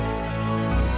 kita adalah ayo